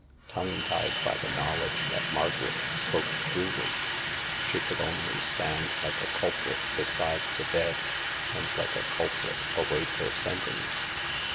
Tongue tied by the knowl edge that Margaret spoke truly, she could only stand like a culprit beside the bed, and like a culprit await her sentence.